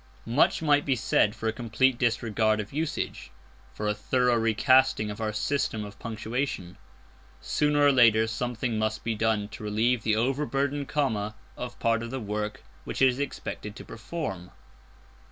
Much might be said for a complete disregard of usage, for a thorough recasting of our system of punctuation. Sooner or later something must be done to relieve the overburdened comma of part of the work which it is expected to perform.